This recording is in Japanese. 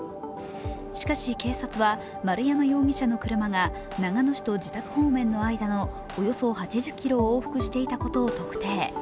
しかし、警察は丸山容疑者の車が長野市と自宅方面の間のおよそ８０ｋｍを往復していたことを特定。